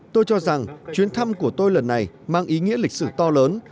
tôi cho rằng chuyến thăm của tôi lần này mang ý nghĩa lịch sử to lớn